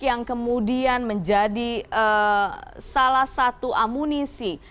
yang kemudian menjadi salah satu amunisi